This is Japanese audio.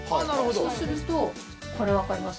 そうするとこれ分かります？